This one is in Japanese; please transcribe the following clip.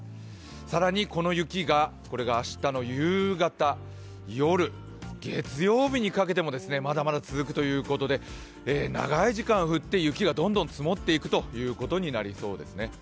更にこの雪が、これが明日の夕方夜、月曜日にかけてもまだまだ続くということで長い時間降って、雪がどんどん積もっていくということになりそうですね。